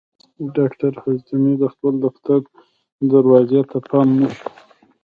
ډاکټر حشمتي د خپل دفتر دروازې ته پام نه شو